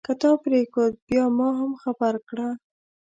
که تا پرېښود بیا ما هم خبر کړه.